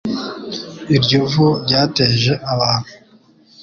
Iryo vu ryateje abantu